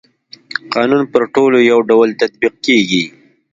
قانون پر ټولو يو ډول تطبيق کيږي.